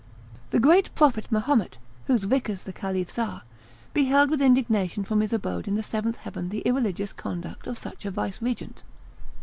The great prophet Mahomet, whose vicars the caliphs are, beheld with indignation from his abode in the seventh heaven the irreligious conduct of such a vicegerent.